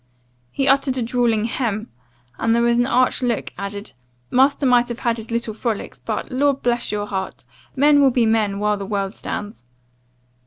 He uttered a drawling 'Hem!' and then with an arch look, added 'Master might have had his little frolics but Lord bless your heart! men would be men while the world stands.